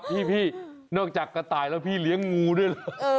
พี่นอกจากกระต่ายแล้วพี่เลี้ยงงูด้วยเหรอ